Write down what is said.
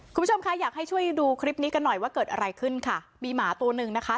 คุณผู้ชมค่ะอยากให้ช่วยดูคลิปนี้กันหน่อยว่าเกิดอะไรขึ้นค่ะมีหมาตัวหนึ่งนะคะ